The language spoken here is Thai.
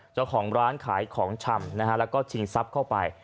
เจ้าของร้านขายของชำและชิงทรัพย์เข้าไป